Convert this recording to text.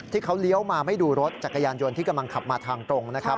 ที่เขาเลี้ยวมาไม่ดูรถจักรยานยนต์ที่กำลังขับมาทางตรงนะครับ